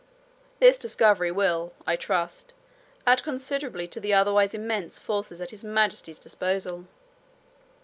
This discovery will, I trust, add considerably to the otherwise immense forces at His Majesty's disposal.'